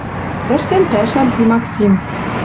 Ӹштен пӓшӓм ти Максим.